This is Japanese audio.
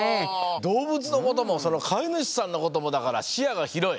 どうぶつのこともそのかいぬしさんのこともだからしやがひろい！